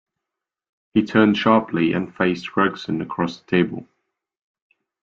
He turned sharply, and faced Gregson across the table.